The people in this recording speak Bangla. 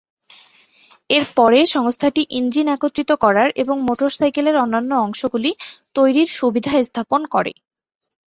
এরপরে, সংস্থাটি ইঞ্জিন একত্রিত করার এবং মোটরসাইকেলের অন্যান্য অংশগুলি তৈরির সুবিধা স্থাপন করে।